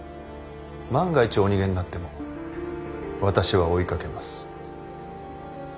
万が一お逃げになっても私は追いかけます。